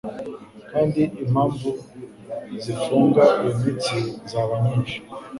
Kandi impamvu zifunga iyo mitsi zaba nyinshi,